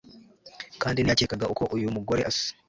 kandi ntiyakekaga uko uyu mugore asa